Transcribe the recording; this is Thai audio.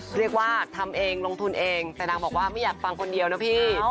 เรียกว่าทำเองลงทุนเองแต่นางบอกว่าไม่อยากฟังคนเดียวนะพี่